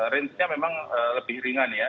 rangenya memang lebih ringan ya